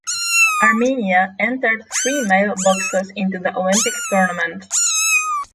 Armenia entered three male boxers into the Olympic tournament.